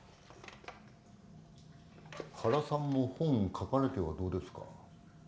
原さんも本を書かれてはどうですか？